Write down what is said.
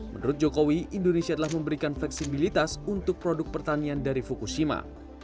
menurut jokowi indonesia telah memberikan fleksibilitas untuk produk pertanian dari fukushima